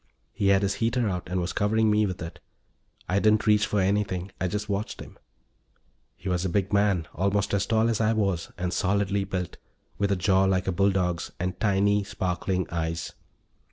He had his heater out and was covering me with it. I didn't reach for anything; I just watched him. He was a big man, almost as tall as I was and solidly built, with a jaw like a bulldog's and tiny, sparkling eyes.